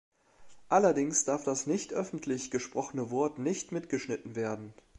Allerdings darf das nicht-öffentlich gesprochene Wort nicht mitgeschnitten werden.